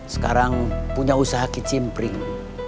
sekarang punya usaha kicimpring